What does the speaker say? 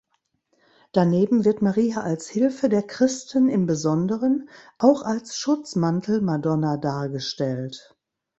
Daneben wird Maria als Hilfe der Christen im Besonderen auch als Schutzmantelmadonna dargestellt.